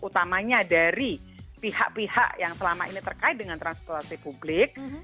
utamanya dari pihak pihak yang selama ini terkait dengan transportasi publik